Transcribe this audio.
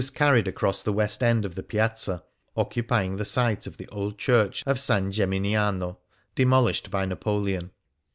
The Heart of Venice carried across the west end of the Piazza, occupy ing the site of the old church of S. Gemi niano, demoHshed by Napoleon.